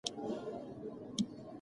زده کوونکي باید هره ورځ مطالعه وکړي.